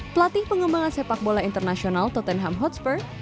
pelatih pengembangan sepak bola internasional totemhotspur